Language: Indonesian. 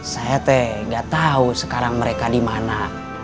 saya teh gak tau sekarang mereka dimana